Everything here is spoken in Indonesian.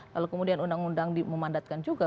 lalu kemudian undang undang dimandatkan juga